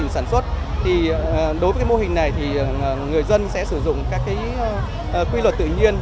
sản xuất đối với mô hình này người dân sẽ sử dụng các quy luật tự nhiên